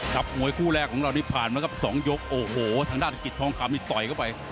มวยคู่แรกของเราที่ผ่านมาครับสองยกโอ้โหทางด้านกิจทองคำนี่ต่อยเข้าไป